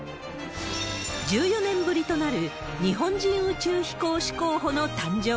１４年ぶりとなる日本人宇宙飛行士候補の誕生。